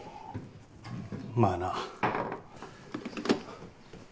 まあな。